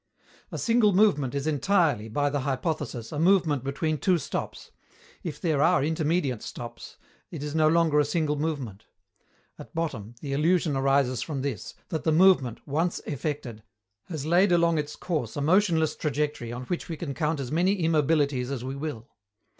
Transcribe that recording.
A single movement is entirely, by the hypothesis, a movement between two stops; if there are intermediate stops, it is no longer a single movement. At bottom, the illusion arises from this, that the movement, once effected, has laid along its course a motionless trajectory on which we can count as many immobilities as we will.